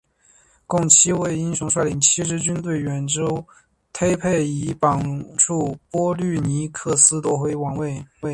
共七位英雄率领七支军队远征忒拜以帮助波吕尼克斯夺回王位。